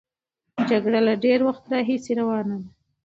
جګړه له ډېر وخت راهیسې روانه ده.